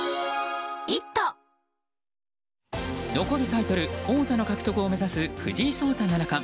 残るタイトル、王座の獲得を目指す、藤井聡太七冠。